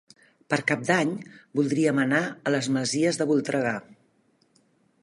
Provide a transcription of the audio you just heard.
Per Cap d'Any voldríem anar a les Masies de Voltregà.